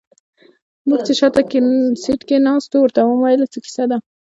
موږ چې شاته سيټ کې ناست وو ورته ومو ويل څه کيسه ده.